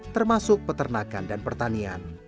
termasuk peternakan dan pertanian